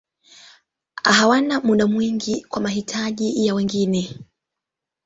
Hawana muda mwingi kwa mahitaji ya wengine.